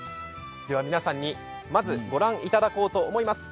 皆さんに、まず御覧いただこうと思います。